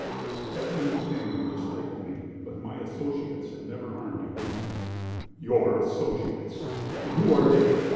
"I can understand your dislike of me, but my associates have never harmed you." "Your associates! And who are they?